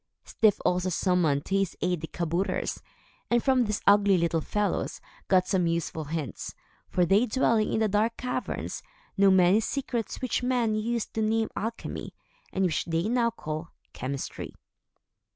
Styf also summoned to his aid the kabouters, and, from these ugly little fellows, got some useful hints; for they, dwelling in the dark caverns, know many secrets which men used to name alchemy, and which they now call chemistry.